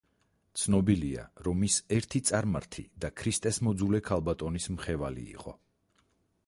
ცნობილია, რომ ის ერთი წარმართი და ქრისტეს მოძულე ქალბატონის მხევალი იყო.